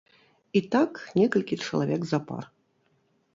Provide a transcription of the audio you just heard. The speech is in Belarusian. І так некалькі чалавек запар.